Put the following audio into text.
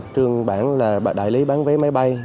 trương bản là đại lý bán vé máy bay